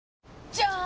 じゃーん！